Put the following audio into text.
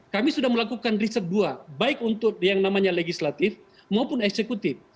kami sudah melakukan riset dua baik untuk yang namanya legislatif maupun eksekutif